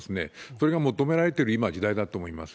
それが求められてる、今、時代だと思います。